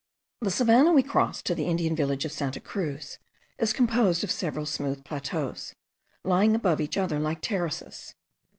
The savannah we crossed to the Indian village of Santa Cruz is composed of several smooth plateaux, lying above each other like terraces.